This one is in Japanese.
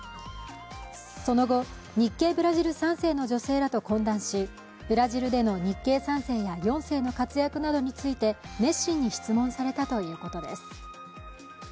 その後、日系ブラジル３世の女性らと懇談し、ブラジルでの日系３世や４世の活躍などについて熱心に質問されたということです。